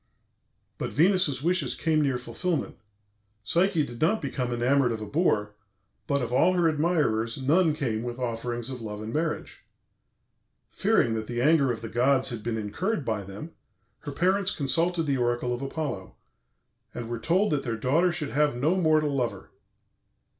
But Venus's wishes came near fulfilment. Psyche did not become enamoured of a boor, but of all her admirers none came with offerings of love and marriage. Fearing that the anger of the gods had been incurred by them, her parents consulted the oracle of Apollo, and were told that their daughter should have no mortal lover.